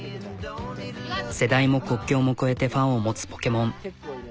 世代も国境も超えてファンを持つポケモン。